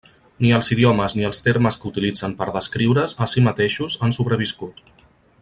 Ni els idiomes ni els termes que utilitzen per descriure's a si mateixos han sobreviscut.